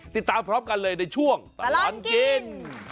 ติดตามพร้อมกันเลยในช่วงตลอดกิน